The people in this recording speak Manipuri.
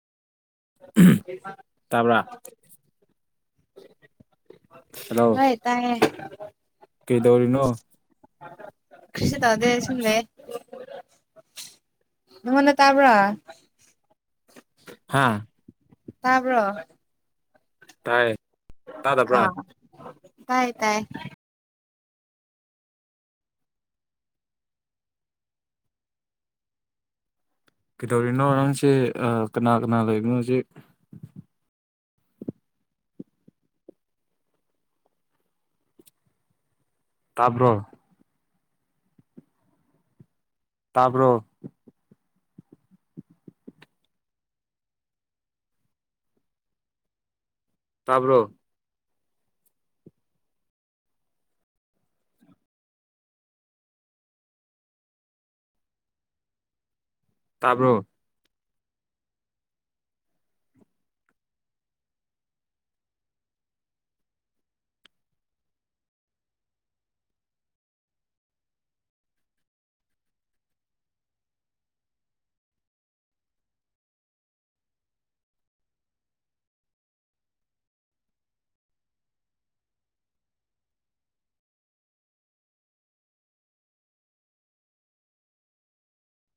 ꯇꯥꯕ꯭ꯔꯥ [unintelligible] ꯍꯜꯂꯣ ꯍꯣꯏ ꯇꯥꯏꯌꯦ ꯀꯩꯗꯧꯔꯤꯅꯣ ꯀꯔꯤꯁꯨ ꯇꯧꯗꯦ ꯁꯨꯝ ꯂꯩ ꯅꯪꯉꯣꯟꯗ ꯇꯥꯕ꯭ꯔꯥ ꯍꯥꯥ ꯇꯥꯕ꯭ꯔꯣ ꯇꯥꯏꯌꯦ ꯑ ꯇꯥꯏ ꯇꯥꯏ ꯀꯩꯗꯧꯔꯤꯅꯣ ꯅꯡꯁꯦ ꯀꯅꯥ ꯀꯅꯥ ꯂꯩꯕꯅꯣ ꯍꯧꯖꯤꯛ ꯇꯥꯕ꯭ꯔꯣ꯫ ꯇꯥꯕ꯭ꯔꯣ꯫ ꯇꯥꯕ꯭ꯔꯣ꯫ ꯇꯥꯕ꯭ꯔꯣ꯫